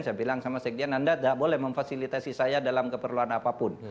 saya bilang sama sekjen anda tidak boleh memfasilitasi saya dalam keperluan apapun